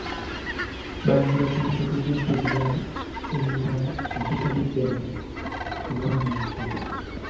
Bayitira ku mikutu gy’empuliziganya emirala egitali gya mu buwandiike.